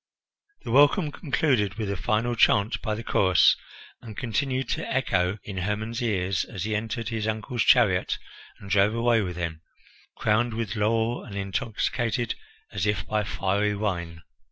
The welcome concluded with a final chant by the chorus, and continued to echo in Hermon's ears as he entered his uncle's chariot and drove away with him, crowned with laurel and intoxicated as if by fiery wine.